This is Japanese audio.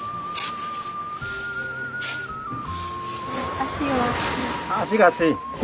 足が熱い。